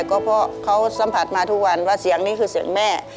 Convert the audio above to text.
ก็เพราะเขาสัมผัสมาทุกวันว่าเสียงนี้คือเสียงแม่